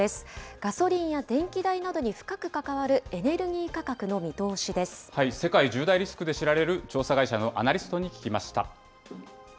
ガソリンや電気代などに深く関わ世界１０大リスクで知られる調査会社のアナリストに聞きました。